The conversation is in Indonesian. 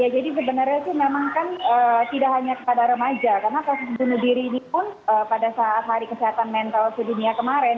jadi sebenarnya memang tidak hanya pada remaja karena kasus bunuh diri ini pun pada saat hari kesehatan mental sedunia kemarin